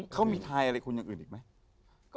เขามีทายอะไรจากจริง